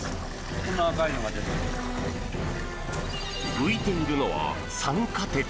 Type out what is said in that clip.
浮いているのは酸化鉄。